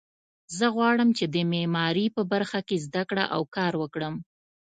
زه غواړم چې د معماري په برخه کې زده کړه او کار وکړم